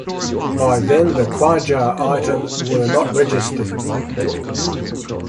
By then the Qajar item were not registered.